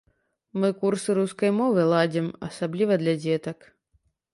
Мы курсы рускай мовы ладзім, асабліва для дзетак.